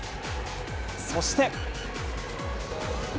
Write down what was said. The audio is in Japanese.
そして。